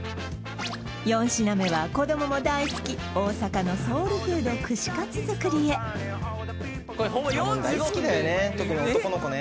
４品目は子供も大好き大阪のソウルフード串カツ作りへ揚げ物大好きだよね